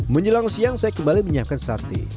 menjelang siang saya kembali menyiapkan sate